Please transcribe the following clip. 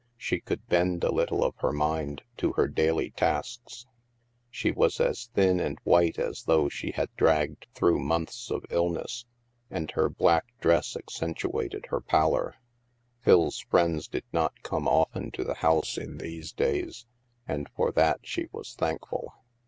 She could bend a little of her mind to her daily tasks. She was as thin and white as though she had dragged through months of illness, and her black dress accentuated her pallor. Phil's friends did not come often to the house in these days, and for that she was thankful.